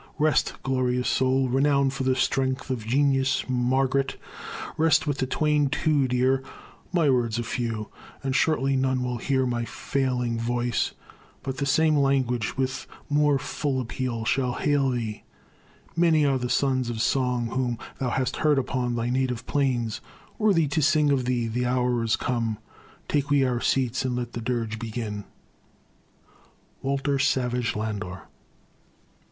Rest, glorious soul, Renowned for the strength of genius, Margaret! Rest with the twain too dear! My words are few, And shortly none will hear my failing voice, But the same language with more full appeal Shall hail thee. Many are the sons of song Whom thou hast heard upon thy native plains Worthy to sing of thee: the hour is come; Take we our seats and let the dirge begin. WALTER SAVAGE LANDOR.